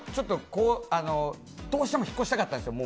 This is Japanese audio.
どうしても引っ越したかったんですよ。